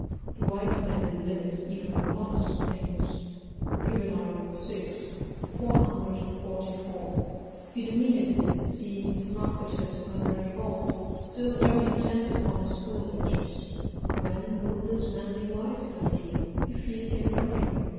["The wise man limits even honest things." Juvenal, vi. 444] Eudemonidas, seeing Xenocrates when very old, still very intent upon his school lectures: "When will this man be wise," said he, "if he is yet learning?"